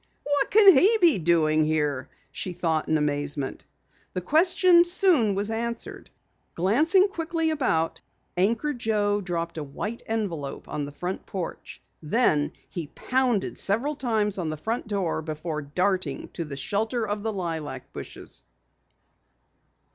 "What can he be doing here?" she thought in amazement. The question soon was answered. Glancing quickly about, Anchor Joe dropped a white envelope on the front porch. Then he pounded several times on the door before darting to the shelter of the lilac bushes.